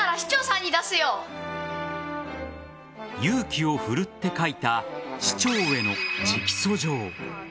勇気を奮って書いた市長への直訴状。